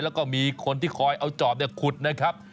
แล้วก็มีคนที่คอยเอาจอบขุดนะครับ